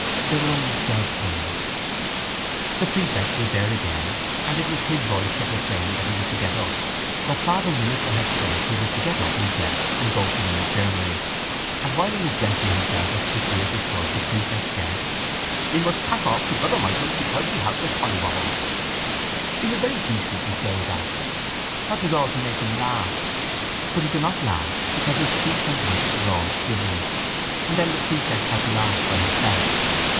They were only dead things. The prefect was there again and it was his voice that was saying that he was to get up, that Father Minister had said he was to get up and dress and go to the infirmary. And while he was dressing himself as quickly as he could the prefect said: —We must pack off to Brother Michael because we have the collywobbles! He was very decent to say that. That was all to make him laugh. But he could not laugh because his cheeks and lips were all shivery: and then the prefect had to laugh by himself.